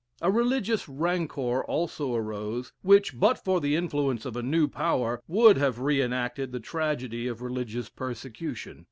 A religious rancor also arose which, but for the influence of a new power, would have re enacted the tragedy of religious persecution.